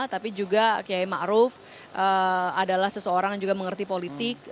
tapi juga kiai ma'ruf adalah seseorang yang juga mengerti politik